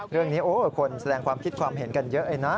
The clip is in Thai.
เรื่องนี้คนแสดงความคิดความเห็นกันเยอะเลยนะ